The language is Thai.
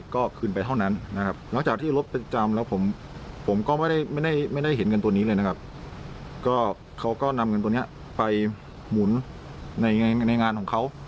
ก็เขาก็นำเงินตัวนี้ไปหมุนในงานของเขา